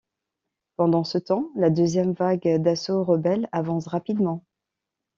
Pendant ce temps, la deuxième vague d'assaut rebelle avance rapidement.